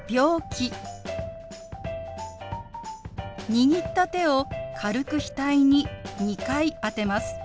握った手を軽く額に２回当てます。